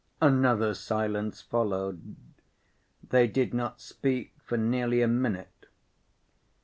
Another silence followed. They did not speak for nearly a minute.